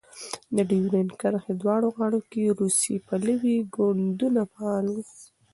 د ډیورند کرښې دواړو غاړو کې روسي پلوی ګوندونه فعال وو.